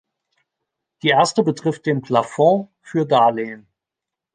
Die erste betrifft den Plafond für Darlehen.